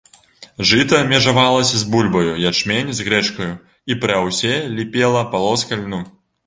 Жыта межавалася з бульбаю, ячмень з грэчкаю, і пры аўсе ліпела палоска льну.